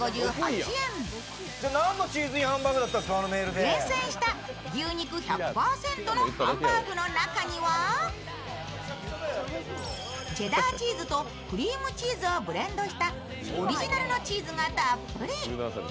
厳選した牛肉１００％のハンバーグの中にはチェダーチーズとクリームチーズをブレンドしたオリジナルのチーズがたっぷり。